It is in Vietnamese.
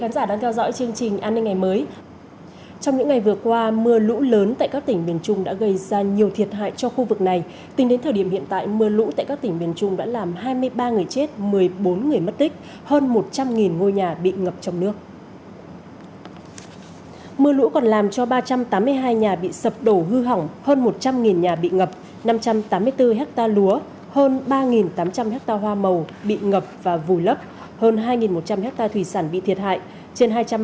các bạn hãy đăng ký kênh để ủng hộ kênh của chúng mình nhé